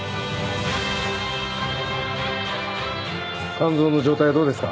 肝臓の状態はどうですか？